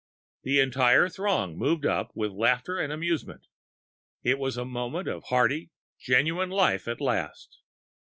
The entire throng moved up with laughter and amusement. It was a moment of hearty, genuine life at last.